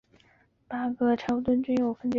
八个桥墩均有分水尖。